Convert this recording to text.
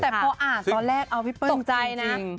แต่พออาสตร์แรกเอาพี่เปิ้ลจริงนะ